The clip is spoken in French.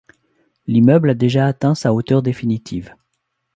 L'immeuble a déjà atteint sa hauteur définitive.